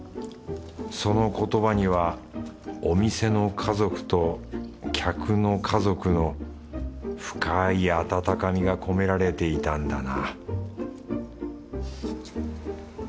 その言葉にはお店の家族と客の家族の深い温かみが込められていたんだな